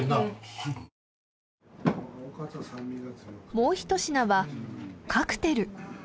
もうひと品はカクテル。